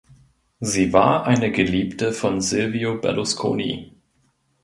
Sie war eine Geliebte von Silvio Berlusconi.